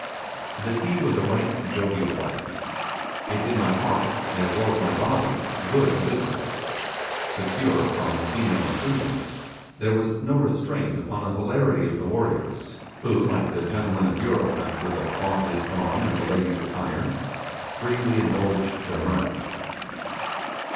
The Ti was a right jovial place. It did my heart, as well as my body, good to visit it. Secure from female intrusion, there was no restraint upon the hilarity of the warriors, who, like the gentlemen of Europe after the cloth is drawn and the ladies retire, freely indulged their mirth.